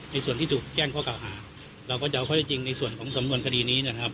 ส่วนที่ถูกแจ้งข้อเก่าหาเราก็จะเอาข้อได้จริงในส่วนของสำนวนคดีนี้นะครับ